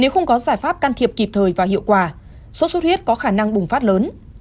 nếu không có giải pháp can thiệp kịp thời và hiệu quả sốt xuất huyết có khả năng bùng phát lớn